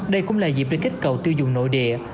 đây cũng là dịp để kích cầu tiêu dùng nội địa